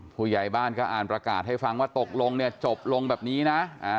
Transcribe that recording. ผู้ใหญ่บ้านก็อ่านประกาศให้ฟังว่าตกลงเนี่ยจบลงแบบนี้นะ